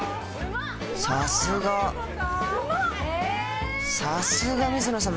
さすがさすが水野さん